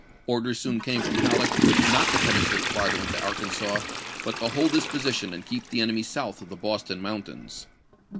Orders soon came from Halleck uot to penetrate farther into Arkansas, but to hold his position and keep the enemy south of the Boston Mountains.